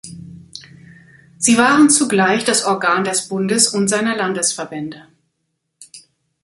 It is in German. Sie waren zugleich das Organ des Bundes und seiner Landesverbände.